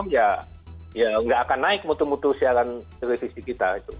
ya nggak akan naik mutu mutu siaran televisi kita